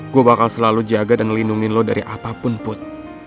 gue bakal selalu jaga dan melindungi lo dari apapun put